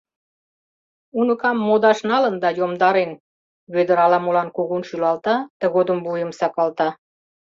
Уныкам модаш налын да йомдарен, — Вӧдыр ала-молан кугун шӱлалта, тыгодым вуйым сакалта.